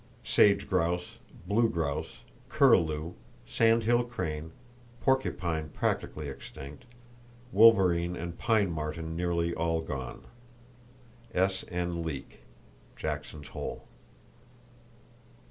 Sage grouse, blue grouse, curlew, sandhill crane, porcupine practically extinct; wolverine and pine marten nearly all gone.—(S.N. Leek, Jackson's Hole.)